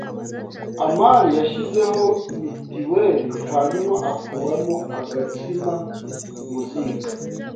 amani yashyizeho mitiweri hanyuma akuramo agatsima mu ziko.